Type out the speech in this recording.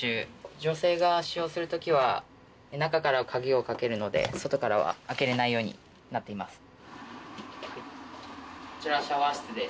女性が使用するときは、中から鍵をかけるので、外からは開けれないようになっています。